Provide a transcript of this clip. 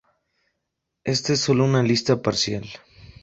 Esta es sólo una lista parcial.